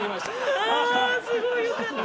あすごいよかった。